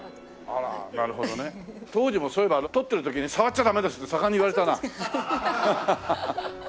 あらなるほどね。当時もそういえば撮ってる時に触っちゃダメですって盛んに言われたな。